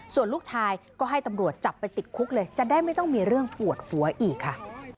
ส่วนลูกชายก็ให้ตำรวจจับไปติดคุกเลยจะได้ไม่ต้องมีเรื่องปวดหัวอีกค่ะ